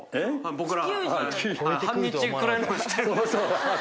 僕ら。